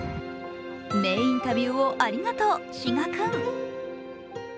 名インタビューをありがとう、志賀君。